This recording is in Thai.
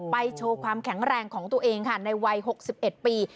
โชว์ความแข็งแรงของตัวเองค่ะในวัย๖๑ปี